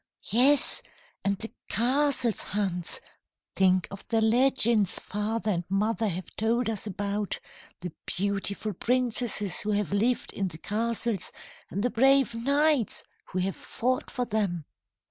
"Yes, and the castles, Hans! Think of the legends father and mother have told us about the beautiful princesses who have lived in the castles, and the brave knights who have fought for them!